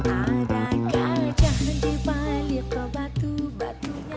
ada gajah yang dibalik ke batu batunya